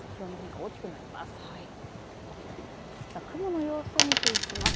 きょうも気温の変化が大きくなります。